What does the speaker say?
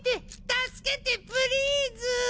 助けてプリーズ！